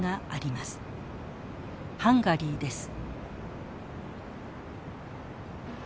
ハンガリーです。